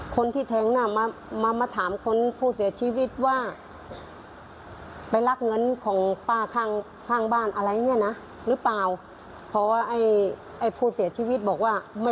เก๊ไม่หันหรือว่า